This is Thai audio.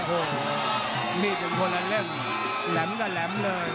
โอ้โหมีดเป็นคนละเล่มแหลมละแหลมเลย